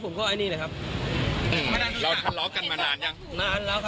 เรื่องค่าเที่ยวเหรอครับใช่ครับงานหนักด้วยแล้วด้วย